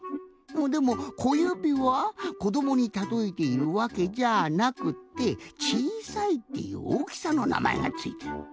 でも小指はこどもにたとえているわけじゃなくってちいさいっていうおおきさのなまえがついてる。